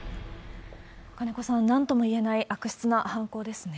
金子さん、なんとも言えない悪質な犯行ですね。